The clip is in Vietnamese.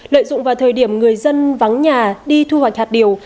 lợi dụng vào thời điểm người dân vắng nhà đi thu hoạch hạt điều